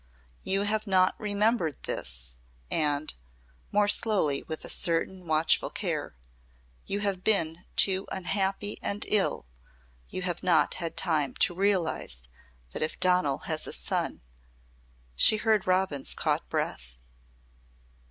You have not remembered this and " more slowly and with a certain watchful care "you have been too unhappy and ill you have not had time to realise that if Donal has a son " She heard Robin's caught breath.